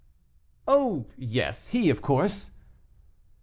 "Oh, yes, he, of course."